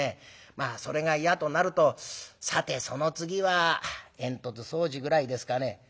まあそれが嫌となるとさてその次は煙突掃除ぐらいですかね」。